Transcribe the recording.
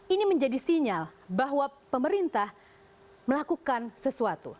ini menjadi sinyal bahwa pemerintah melakukan sesuatu